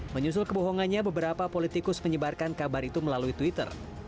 menyusul kebohongannya beberapa politikus menyebarkan kabar itu melalui twitter